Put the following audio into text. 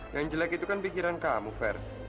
yang jelek itu kan pikiran kamu fair